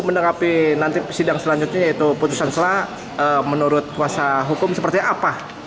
menanggapi nanti sidang selanjutnya yaitu putusan selah menurut kuasa hukum seperti apa